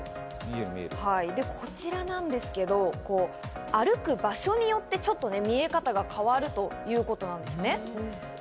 で、こちらなんですけど、歩く場所によってちょっと見え方が変わるということなんですね。